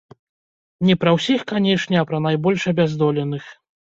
Не пра ўсіх, канешне, а пра найбольш абяздоленых.